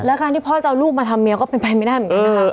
แล้วการที่พ่อจะเอาลูกมาทำเมียก็เป็นไปไม่ได้เหมือนกันนะคะ